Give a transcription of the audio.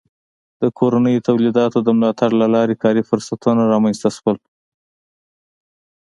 د کورنیو تولیداتو د ملاتړ له لارې کاري فرصتونه رامنځته سول.